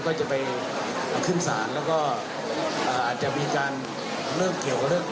ก็จะไปขึ้นศาลแล้วก็อาจจะมีการเริ่มเกี่ยวกับเรื่อง